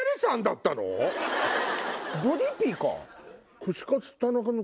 ボディピか？